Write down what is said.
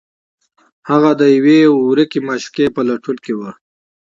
هغه د یوې ورکې معشوقې په لټون کې و